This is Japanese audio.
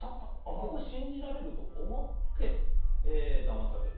ここ信じられると思ってだまされる。